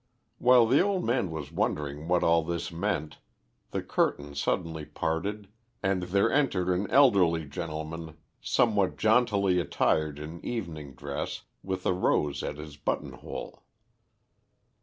While the old man was wondering what all this meant, the curtain suddenly parted and there entered an elderly gentleman somewhat jauntily attired in evening dress with a rose at his buttonhole.